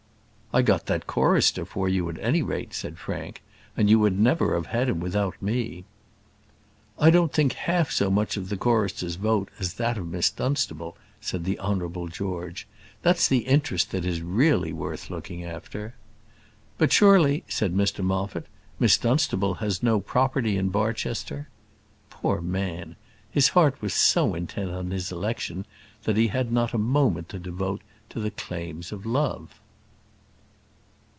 "I got that chorister for you at any rate," said Frank. "And you would never have had him without me." "I don't think half so much of the chorister's vote as that of Miss Dunstable," said the Honourable George: "that's the interest that is really worth looking after." "But, surely," said Mr Moffat, "Miss Dunstable has no property in Barchester?" Poor man! his heart was so intent on his election that he had not a moment to devote to the claims of love.